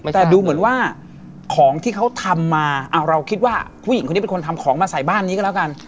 แต่ดูเหมือนว่าของที่เขาทำมาเราคิดว่าผู้หญิงคนนี้เป็นคนทำของมาใส่บ้านนี้ก็แล้วกัน